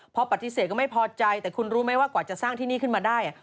พอปฏิเสธก็ไม่พอใจแต่คุณรู้ไหมว่ากว่าจะสร้างที่นี่ขึ้นมาได้